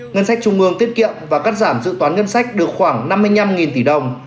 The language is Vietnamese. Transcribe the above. ngân sách trung ương tiết kiệm và cắt giảm dự toán ngân sách được khoảng năm mươi năm tỷ đồng